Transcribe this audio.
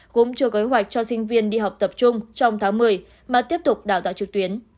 cũng chưa kế hoạch cho sinh viên đi học tập trung trong tháng một mươi mà tiếp tục đào tạo trực tuyến